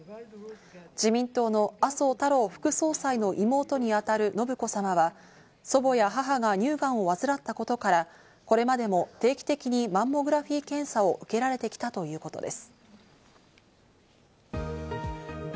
自民党の麻生太郎副総裁の妹にあたる信子さまは、祖母や母が乳がんを患ったことから、これまでも定期的にマンモグラフィ検査を受けられてきたということです。